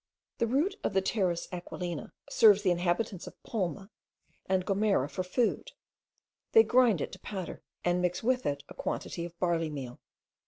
The root of the Pteris aquilina serves the inhabitants of Palma and Gomera for food; they grind it to powder, and mix with it a quantity of barley meal.